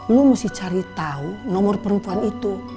lu mesti cari tahu nomor perempuan itu